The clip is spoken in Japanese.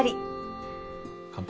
乾杯！